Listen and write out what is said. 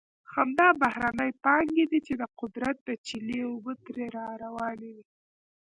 همدا بهرنۍ پانګې دي چې د قدرت د چینې اوبه ترې را روانې دي.